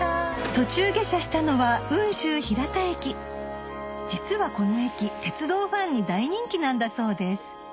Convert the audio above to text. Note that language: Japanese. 途中下車したのは実はこの駅鉄道ファンに大人気なんだそうです